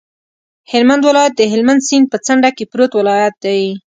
هلمند ولایت د هلمند سیند په څنډه کې پروت ولایت دی.